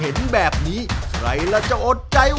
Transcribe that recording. เห็นแบบนี้ใครล่ะจะอดใจ